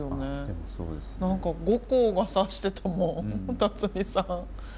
何か後光がさしてたもん辰巳さん。